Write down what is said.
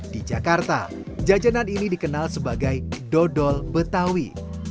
di jakarta jajanan ini dikenal sebagai dodol betawi